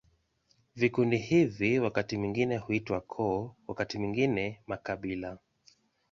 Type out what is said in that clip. Vikundi hivi wakati mwingine huitwa koo, wakati mwingine makabila.